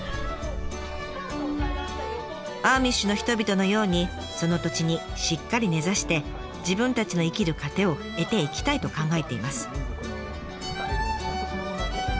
アーミッシュの人々のようにその土地にしっかり根ざして自分たちの生きる糧を得ていきたいと考えています。